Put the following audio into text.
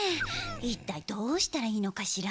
いったいどうしたらいいのかしら。